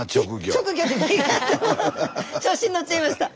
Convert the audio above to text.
いやどうも調子に乗っちゃいました。